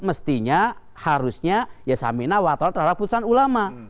mestinya harusnya ya samina wa atona terhadap keputusan ulama